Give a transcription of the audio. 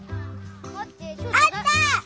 あった！